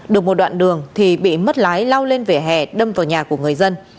được một đoạn đường thì bị mất lái lao lên vỉa hè đâm vào nhà của người dân